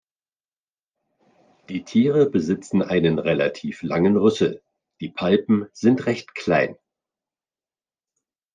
Die Tiere besitzen einen relativ langen Rüssel, die Palpen sind recht klein.